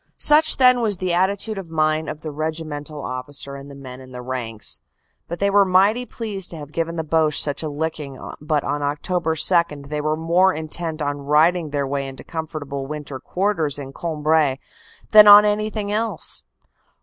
Such then was the attitude of mind of the regimental officer and the men in the ranks. They were mighty pleased to have given the Boche such a licking but on Oct. 2 they were more intent on righting their way into comfortable winter quarters in Cambrai than on anything else.